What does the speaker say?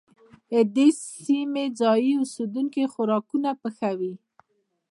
د دې سيمې ځايي اوسيدونکي خوراکونه پخوي.